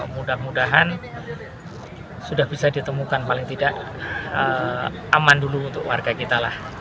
mudah mudahan sudah bisa ditemukan paling tidak aman dulu untuk warga kita lah